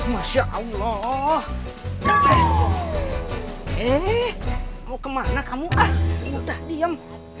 masya allah eh mau kemana kamu ah udah diem